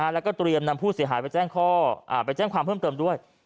แล้วก็เตรียมนำผู้เสียหายไปแจ้งข้อไปแจ้งความเพิ่มเติมด้วย